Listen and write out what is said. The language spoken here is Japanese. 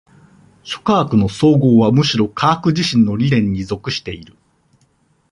諸科学の綜合はむしろ科学自身の理念に属している。